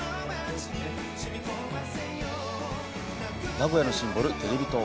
名古屋のシンボル、テレビ塔。